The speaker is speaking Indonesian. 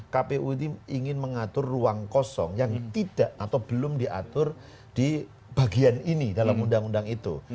kpu ini ingin mengatur ruang kosong yang tidak atau belum diatur di bagian ini dalam undang undang itu